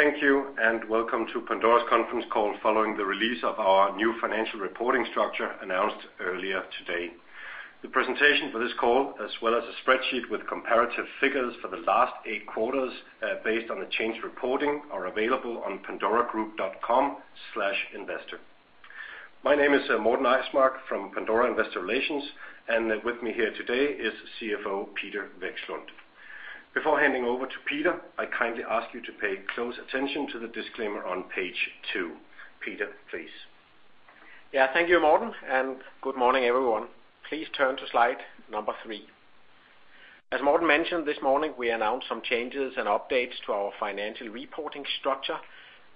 Thank you, and welcome to Pandora's Conference Call following the release of our new financial reporting structure announced earlier today. The presentation for this call, as well as a spreadsheet with comparative figures for the last eight quarters, based on the changed reporting, are available on pandoragroup.com/investor. My name is Morten Eismark from Pandora Investor Relations, and with me here today is CFO, Peter Vekslund. Before handing over to Peter, I kindly ask you to pay close attention to the disclaimer on page two. Peter, please. Yeah, thank you, Morten, and good morning, everyone. Please turn to slide number three. As Morten mentioned this morning, we announced some changes and updates to our financial reporting structure,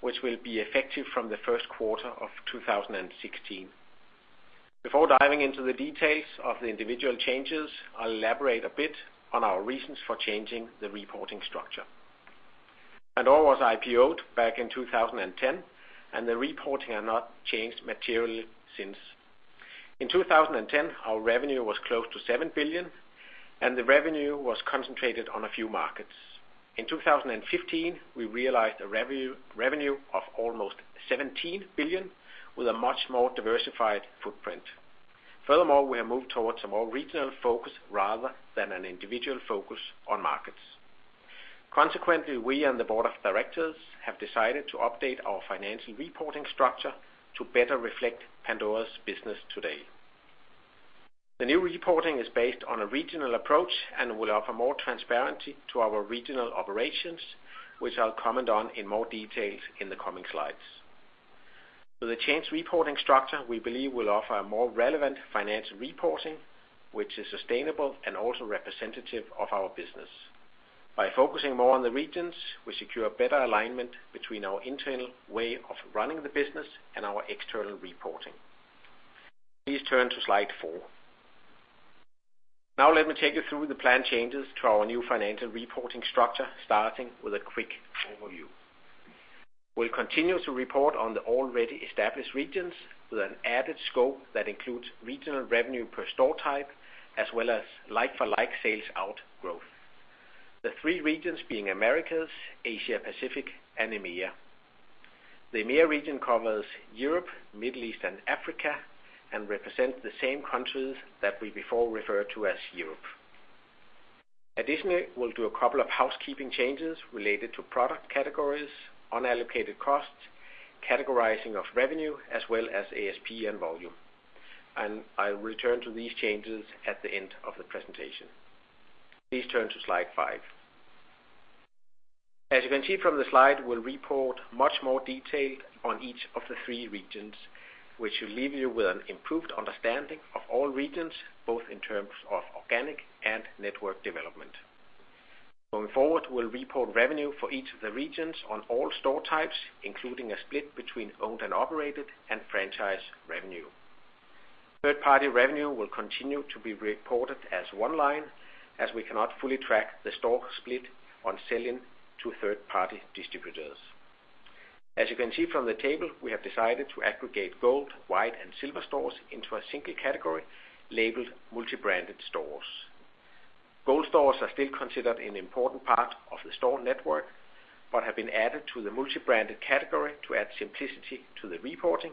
which will be effective from the first quarter of 2016. Before diving into the details of the individual changes, I'll elaborate a bit on our reasons for changing the reporting structure. Pandora was IPO'd back in 2010, and the reporting have not changed materially since. In 2010, our revenue was close to 7 billion, and the revenue was concentrated on a few markets. In 2015, we realized a revenue of almost 17 billion with a much more diversified footprint. Furthermore, we have moved towards a more regional focus rather than an individual focus on markets. Consequently, we and the board of directors have decided to update our financial reporting structure to better reflect Pandora's business today. The new reporting is based on a regional approach and will offer more transparency to our regional operations, which I'll comment on in more details in the coming slides. So the changed reporting structure, we believe, will offer a more relevant financial reporting, which is sustainable and also representative of our business. By focusing more on the regions, we secure better alignment between our internal way of running the business and our external reporting. Please turn to slide four. Now let me take you through the planned changes to our new financial reporting structure, starting with a quick overview. We'll continue to report on the already established regions with an added scope that includes regional revenue per store type, as well as like-for-like sales-out growth. The three regions being Americas, Asia Pacific, and EMEA. The EMEA region covers Europe, Middle East, and Africa, and represents the same countries that we before referred to as Europe. Additionally, we'll do a couple of housekeeping changes related to product categories, unallocated costs, categorizing of revenue, as well as ASP and volume, and I will return to these changes at the end of the presentation. Please turn to slide five. As you can see from the slide, we'll report much more detail on each of the three regions, which will leave you with an improved understanding of all regions, both in terms of organic and network development. Going forward, we'll report revenue for each of the regions on all store types, including a split between owned and operated and franchise revenue. Third-party revenue will continue to be reported as one line, as we cannot fully track the store split on selling to third-party distributors. As you can see from the table, we have decided to aggregate Gold Stores, White Stores, and Silver Stores into a single category labeled Multi-branded Stores. Gold Stores are still considered an important part of the store network, but have been added to the Multi-branded Stores category to add simplicity to the reporting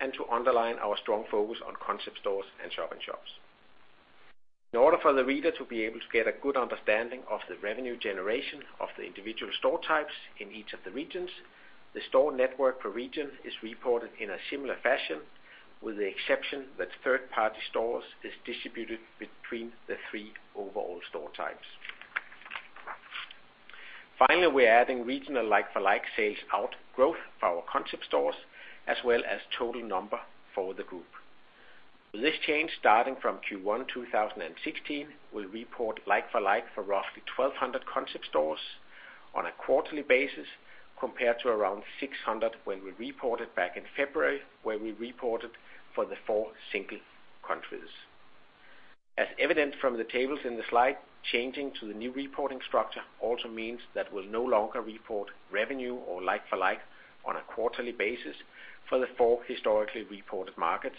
and to underline our strong focus on Concept Stores and shop-in-shops. In order for the reader to be able to get a good understanding of the revenue generation of the individual store types in each of the regions, the store network per region is reported in a similar fashion, with the exception that Third-party stores is distributed between the three overall store types. Finally, we're adding regional Like-for-like sales-out growth for our Concept Stores, as well as total number for the group. With this change, starting from Q1 2016, we'll report Like-for-like for roughly 1,200 Concept Stores on a quarterly basis, compared to around 600 when we reported back in February, where we reported for the four single countries. As evident from the tables in the slide, changing to the new reporting structure also means that we'll no longer report revenue or Like-for-like on a quarterly basis for the four historically reported markets,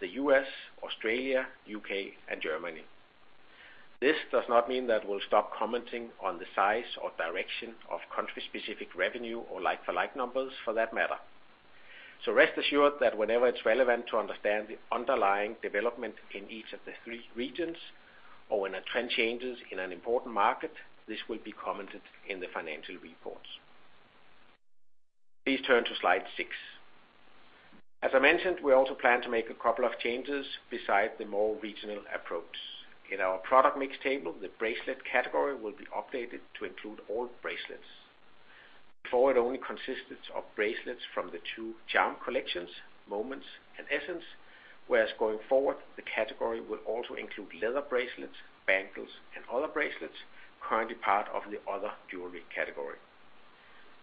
the U.S., Australia, U.K., and Germany. This does not mean that we'll stop commenting on the size or direction of country-specific revenue or Like-for-like numbers for that matter. So rest assured that whenever it's relevant to understand the underlying development in each of the three regions, or when a trend changes in an important market, this will be commented in the financial reports. Please turn to slide six. As I mentioned, we also plan to make a couple of changes beside the more regional approach. In our product mix table, the bracelet category will be updated to include all bracelets. Before, it only consisted of bracelets from the 2 charm collections, Moments and Essence, whereas going forward, the category will also include leather bracelets, bangles, and other bracelets, currently part of the other jewelry category.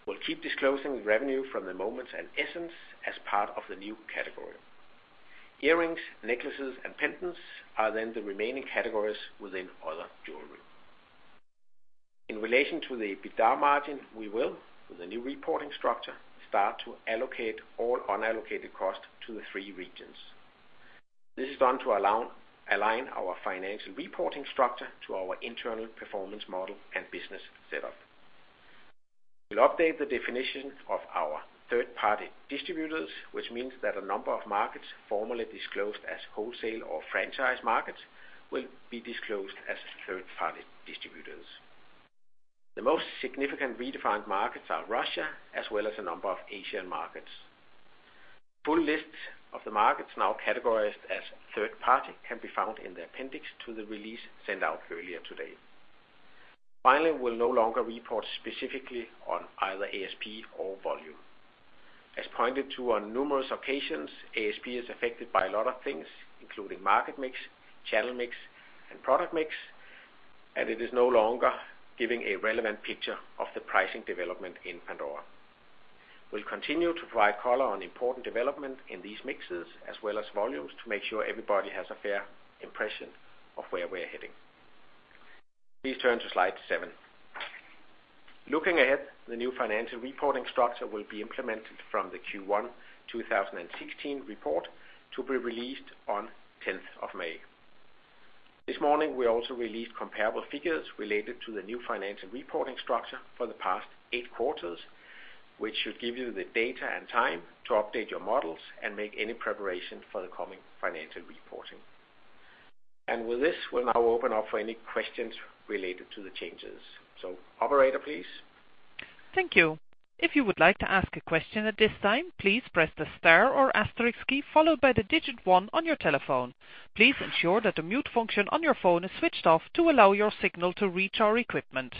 We'll keep disclosing revenue from the Moments and Essence as part of the new category. Earrings, necklaces, and pendants are then the remaining categories within other jewelry. In relation to the EBITDA margin, we will, with the new reporting structure, start to allocate all unallocated cost to the three regions. This is done to allow, align our financial reporting structure to our internal performance model and business setup. We'll update the definition of our third-party distributors, which means that a number of markets formerly disclosed as wholesale or franchise markets, will be disclosed as third-party distributors. The most significant redefined markets are Russia, as well as a number of Asian markets. Full list of the markets now categorized as third-party, can be found in the appendix to the release sent out earlier today. Finally, we'll no longer report specifically on either ASP or volume. As pointed to on numerous occasions, ASP is affected by a lot of things, including market mix, channel mix, and product mix, and it is no longer giving a relevant picture of the pricing development in Pandora. We'll continue to provide color on important development in these mixes, as well as volumes, to make sure everybody has a fair impression of where we're heading. Please turn to slide seven. Looking ahead, the new financial reporting structure will be implemented from the Q1 2016 report, to be released on 10th of May. This morning, we also released comparable figures related to the new financial reporting structure for the past eight quarters, which should give you the data and time to update your models and make any preparation for the coming financial reporting. And with this, we'll now open up for any questions related to the changes. So operator, please? Thank you. If you would like to ask a question at this time, please press the star or asterisk key followed by the digit one on your telephone. Please ensure that the mute function on your phone is switched off to allow your signal to reach our equipment.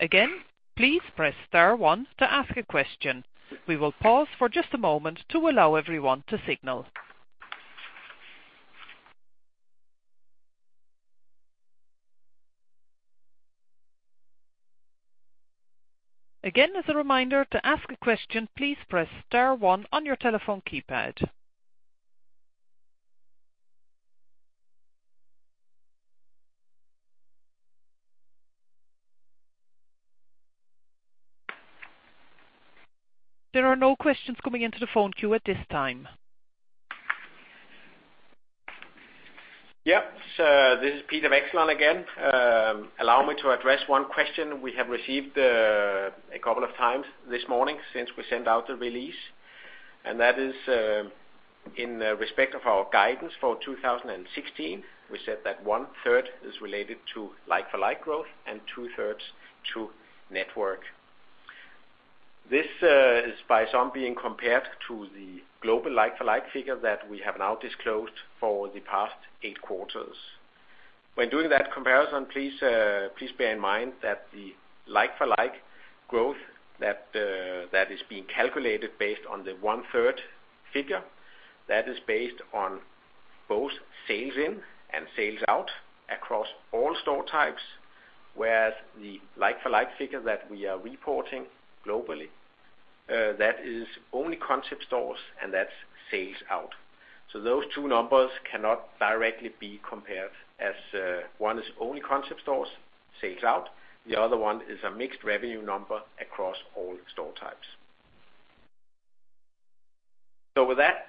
Again, please press star one to ask a question. We will pause for just a moment to allow everyone to signal. Again, as a reminder, to ask a question, please press star one on your telephone keypad. There are no questions coming into the phone queue at this time. Yep, so this is Peter Vekslund again. Allow me to address one question we have received a couple of times this morning since we sent out the release, and that is, in respect of our guidance for 2016. We said that one-third is related to like-for-like growth and two-thirds to network. This is by some being compared to the global like-for-like figure that we have now disclosed for the past eight quarters. When doing that comparison, please, please bear in mind that the like-for-like growth that that is being calculated based on the one-third figure, that is based on both sales-in and sales-out across all store types, whereas the like-for-like figure that we are reporting globally, that is only concept stores and that's sales-out. So those two numbers cannot directly be compared, as one is only Concept Stores sales-out, the other one is a mixed revenue number across all store types. So with that,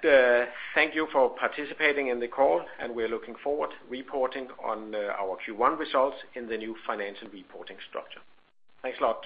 thank you for participating in the call, and we're looking forward to reporting on our Q1 results in the new financial reporting structure. Thanks a lot.